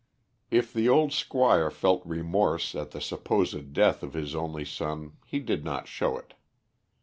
If the old Squire felt remorse at the supposed death of his only son he did not show it.